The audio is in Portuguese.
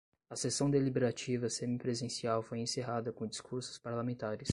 A sessão deliberativa semipresencial foi encerrada com discursos parlamentares